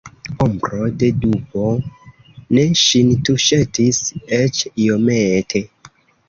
Ombro de dubo ne ŝin tuŝetis eĉ iomete.